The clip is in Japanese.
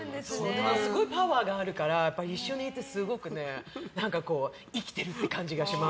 すごいパワーがあるから一緒にいて、すごく生きてるって感じがします。